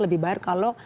lebih bayar kalau